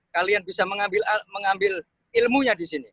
kalian bisa mengambil ilmunya di sini